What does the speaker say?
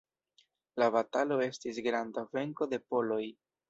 La batalo estis granda venko de poloj.